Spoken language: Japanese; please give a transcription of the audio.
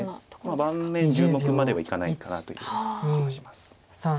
盤面１０目まではいかないかなというような気はします。